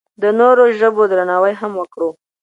د نورو ژبو درناوی هم وکړو.